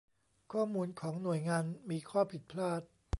ข้อมูลของหน่วยงานมีข้อผิดพลาด